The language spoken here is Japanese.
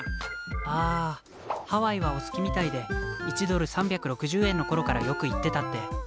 あハワイはお好きみたいで１ドル３６０円の頃からよく行ってたって。